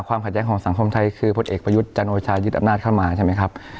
ความขัดแย้งของสังคมไทยคือพลเอกประยุทธ์จันโอชายึดอำนาจเข้ามาใช่ไหมครับ